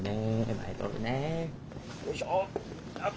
前通るね。